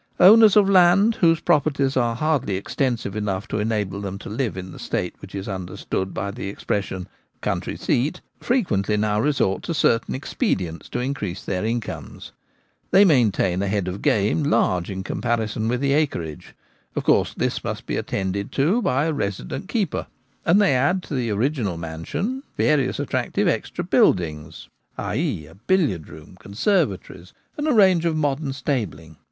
Owners of land, whose properties are hardly ex tensive enough to enable them to live in the state which is understood by the expression ' country seat/ frequently now resort to certain expedients to increase their incomes. They maintain a head of game large in comparison with the acreage : of course this must be attended to by a resident keeper ; and they add to the original mansion various attractive extra buildings — i.e. a billiard room, conservatories, and a range of modern stabling.